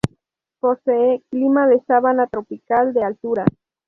Posee clima de sabana tropical de altura.